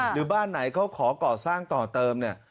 หรือบ้านไหนเขาขอก่อสร้างต่อเติมเนี่ย